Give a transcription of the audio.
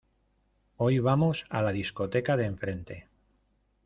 Hoy vamos a la discoteca de enfrente.